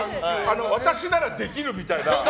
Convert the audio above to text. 私ならできるみたいな。